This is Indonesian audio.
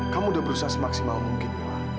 kamu udah berusaha semaksimal mungkin mila